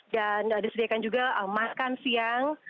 dan disediakan juga makan siang